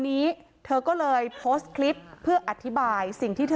มีแต่เสียงตุ๊กแก่กลางคืนไม่กล้าเข้าห้องน้ำด้วยซ้ำ